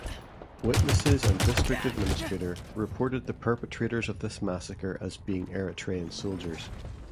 Witnesses and district administrator reported the perpetrators of this massacre as being Eritrean soldiers.